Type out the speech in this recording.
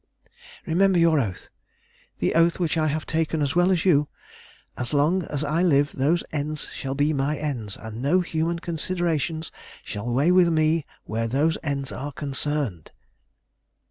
"Remember your oath the oath which I have taken as well as you '_As long as I live those ends shall be my ends, and no human considerations shall weigh with me where those ends are concerned.